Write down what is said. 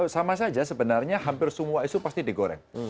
sama saja sebenarnya hampir semua isu pasti digoreng